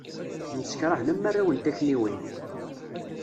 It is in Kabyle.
Msekṛahen am warraw n takniwin.